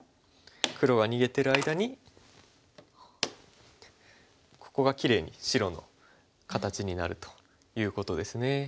黒が逃げてる間にここがきれいに白の形になるということですね。